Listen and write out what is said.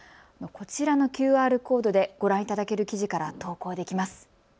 こちらのＱＲコードでご覧いただける記事から投稿できます。